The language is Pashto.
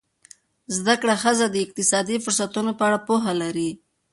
زده کړه ښځه د اقتصادي فرصتونو په اړه پوهه لري.